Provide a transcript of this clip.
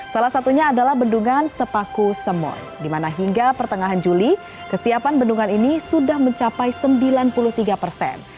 salah satunya adalah bendungan sepaku semoy di mana hingga pertengahan juli kesiapan bendungan ini sudah mencapai sembilan puluh tiga persen